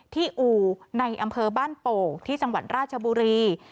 อู่ในอำเภอบ้านโป่งที่จังหวัดราชบุรี